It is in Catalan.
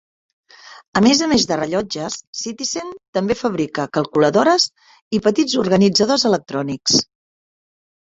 A més a més de rellotges, Citizen també fabrica calculadores i petits organitzadors electrònics.